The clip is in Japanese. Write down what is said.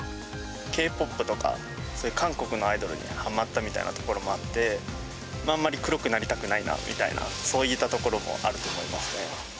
ＫーＰＯＰとか、そういう韓国のアイドルにはまったみたいなところもあって、あんまり黒くなりたくないなみたいな、そういったところもあると思いますね。